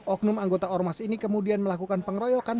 oknum anggota ormas ini kemudian melakukan pengeroyokan